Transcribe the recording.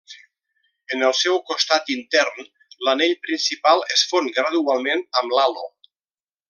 En el seu costat intern, l'anell principal es fon gradualment amb l'halo.